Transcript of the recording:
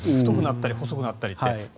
太くなったり細くなったりって。